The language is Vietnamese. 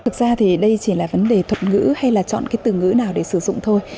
thực ra thì đây chỉ là vấn đề thuật ngữ hay là chọn cái từ ngữ nào để sử dụng thôi